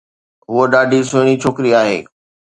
ھوءَ ڏاڍي سهڻي ڇوڪري آھي.